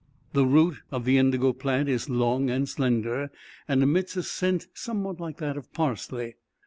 The root of the indigo plant is long and slender, and emits a scent somewhat like that of parsley.